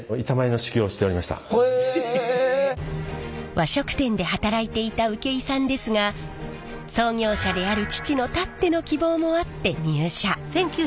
和食店で働いていた請井さんですが創業者である父のたっての希望もあって入社。